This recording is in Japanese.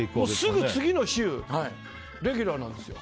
すぐ次の週レギュラーなんですよ。